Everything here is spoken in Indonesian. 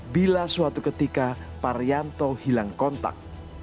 bila suatu ketika parianto hilang kontak